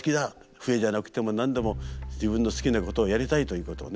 笛じゃなくても何でも自分の好きなことをやりたいということをね